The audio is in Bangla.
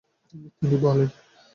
তিনি বলেন,